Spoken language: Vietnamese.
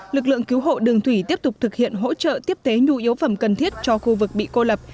lực lượng cứu hộ đường thủy tiếp tục thực hiện hỗ trợ tiếp tế nhu yếu phẩm cần thiết cho khu vực bị cô lập